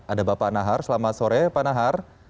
ada bapak nahar selamat sore pak nahar